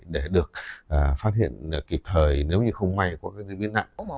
để được phát hiện kịp thời nếu như không may có cái gì bị nặng